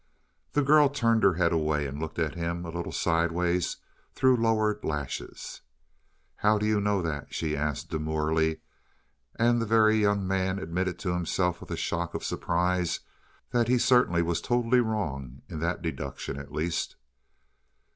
The girl turned her head away and looked at him a little sidewise through lowered lashes. "How do you know that?" she asked demurely; and the Very Young Man admitted to himself with a shock of surprise that he certainly was totally wrong in that deduction at least.